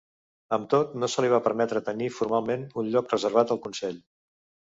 Amb tot, no se li va permetre tenir formalment un lloc reservat al Consell.